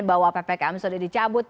bahwa ppkm sudah dicabut